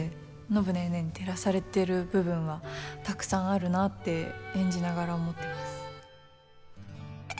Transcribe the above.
暢ネーネーに照らされてる部分はたくさんあるなって演じながら思ってます。